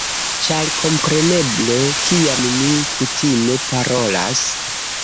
Ĉar kompreneble kiam mi kutime parolas